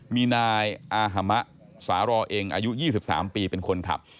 มีนายอาฮมะสารอเองอายุ๒๓ปีเป็นคนขับ